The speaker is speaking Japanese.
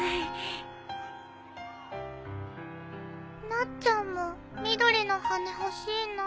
なっちゃんも緑の羽根欲しいな。